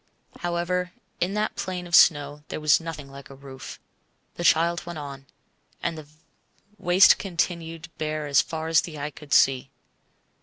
However, in that plain of snow there was nothing like a roof. The child went on, and the waste continued bare as far as eye could see.